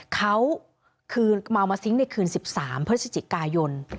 เขามาเอามาทิ้งในคืน๑๓เพื่อจิตกายน